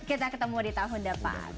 kita ketemu di tahun depan